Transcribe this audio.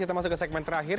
kita masuk ke segmen terakhir